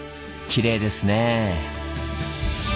きれいですね。